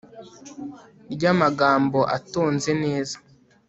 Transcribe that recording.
ry'amagambo atonze neza